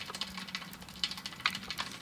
কথার তুলনায় আচরণ অধিক স্পষ্ট।